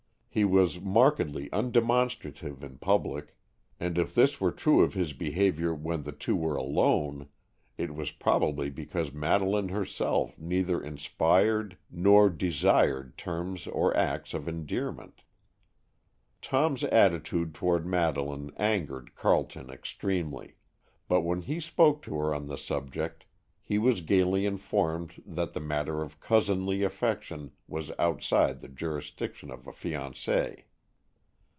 He was markedly undemonstrative in public, and if this were true of his behavior when the two were alone, it was probably because Madeleine herself neither inspired nor desired terms or acts of endearment. Tom's attitude toward Madeleine angered Carleton extremely, but when he spoke to her on the subject he was gaily informed that the matter of cousinly affection was outside the jurisdiction of a fiancée.